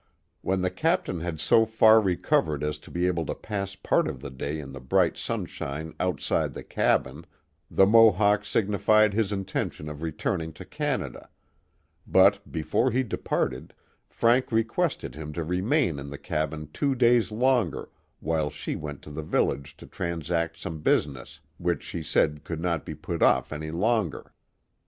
When the captain had so far recovered as to be able to pass part of the day in the bright sunshine outside the cabin, the Mohawk signified his intention of returning to Canada; but before he departed, Frank requested him to remain in the cabin two days longer while she went to the village to transact some business which she said could not be put off any longer.